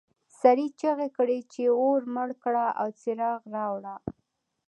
سړي چیغې کړې چې اور مړ کړه او څراغ راوړه.